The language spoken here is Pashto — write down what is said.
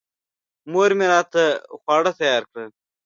مور مې راته خواړه تیار کړل.